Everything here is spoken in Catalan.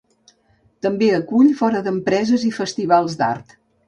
També acull fora d'empreses i festivals d'art.